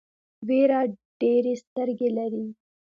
وېره ډېرې سترګې لري.